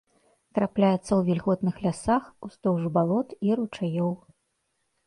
Трапляецца ў вільготных лясах, уздоўж балот і ручаёў.